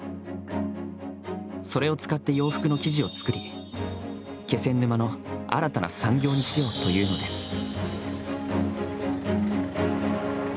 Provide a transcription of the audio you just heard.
それを使って洋服の生地を作り気仙沼の新たな産業にしようというのです